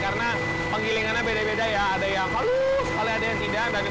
karena penggilingannya beda beda ya ada yang halus